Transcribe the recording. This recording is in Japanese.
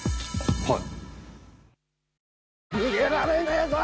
はい。